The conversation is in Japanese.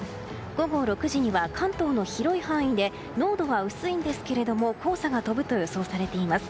午後６時には関東の広い範囲で濃度は薄いんですが黄砂が飛ぶと予想されています。